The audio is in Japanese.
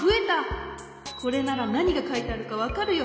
これならなにがかいてあるかわかるよ。